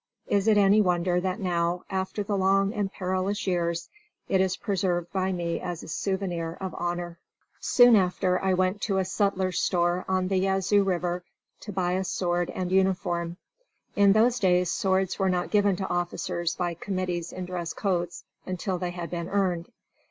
Is it any wonder that now, after the long and perilous years, it is preserved by me as a souvenir of honor? Soon after, I went to a sutler's store on the Yazoo River to buy a sword and uniform. In those days swords were not given to officers by committees in dress coats, until they had been earned.